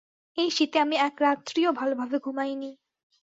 এই শীতে আমি একরাত্রিও ভালভাবে ঘুমাইনি।